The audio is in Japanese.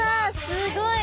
すごい。